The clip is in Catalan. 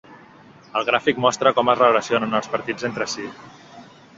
El gràfic mostra com es relacionen els partits entre si.